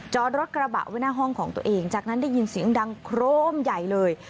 รถกระบะไว้หน้าห้องของตัวเองจากนั้นได้ยินเสียงดังโครมใหญ่เลย